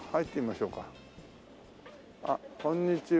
あっこんにちは。